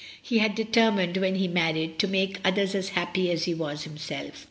He had determined when he married to make others as happy as he was himself.